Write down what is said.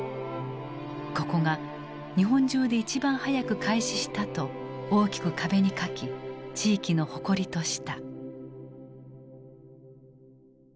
「ここが日本中で一番早く開始した」と大きく壁に書き地域の誇りとした。